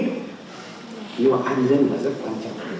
nhưng mà an dân là rất quan trọng